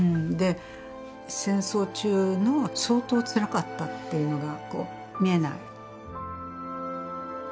戦争中の相当つらかったっていうのが見えない。